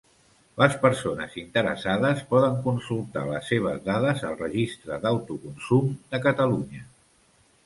Les persones interessades poden consultar les seves dades al Registre d'Autoconsum de Catalunya.